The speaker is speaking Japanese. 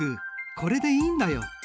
これでいいんだよ。